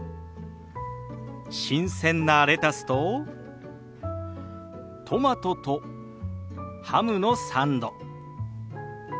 新鮮なレタスとトマトとハムのサンド。